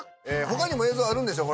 他にも映像あるんでしょ？